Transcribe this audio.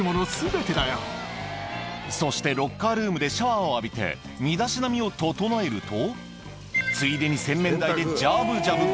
そしてロッカールームでシャワーを浴びて身だしなみを整えるとついでに洗面台でジャブジャブ